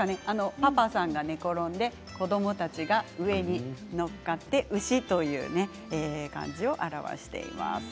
パパさんが寝転がって子どもたちが上に乗っかって牛という漢字を表しています。